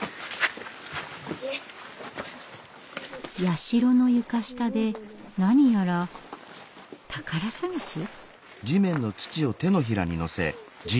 社の床下で何やら宝探し？